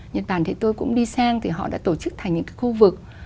nhân toàn thì tôi cũng đi sang thì họ đã tổ chức thành những cái khu vực